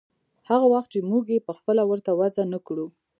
هغه وخت چې موږ يې پخپله ورته وضع نه کړو.